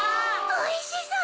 おいしそう！